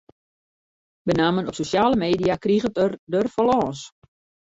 Benammen op sosjale media kriget er der fan lâns.